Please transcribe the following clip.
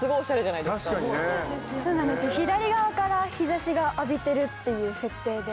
左側から日差しが浴びてるっていう設定で。